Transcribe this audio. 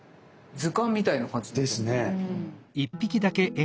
図鑑みたいな感じ。ですね。